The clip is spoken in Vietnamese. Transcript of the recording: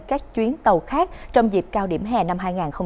các chuyến tàu khác trong dịp cao điểm hè năm hai nghìn hai mươi bốn